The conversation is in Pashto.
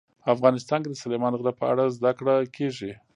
افغانستان کې د سلیمان غر په اړه زده کړه کېږي.